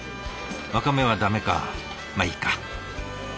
ワカメはダメかまあいいか。